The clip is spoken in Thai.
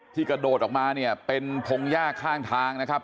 กระโดดออกมาเนี่ยเป็นพงหญ้าข้างทางนะครับ